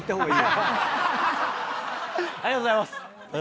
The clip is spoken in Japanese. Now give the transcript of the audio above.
ありがとうございます。